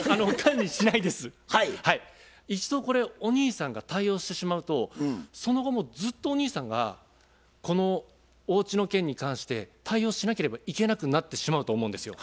一度これお兄さんが対応してしまうとその後もずっとお兄さんがこのおうちの件に関して対応しなければいけなくなってしまうと思うんですよ。